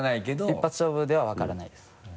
一発勝負では分からないです。